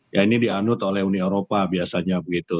ya ini dianut oleh uni eropa biasanya begitu